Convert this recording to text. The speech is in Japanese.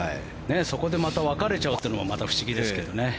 そこでまた分かれちゃうというのもまた不思議ですけどね。